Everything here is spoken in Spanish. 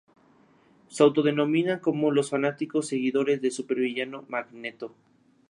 Se autodenominan como los fanáticos seguidores del supervillano Magneto.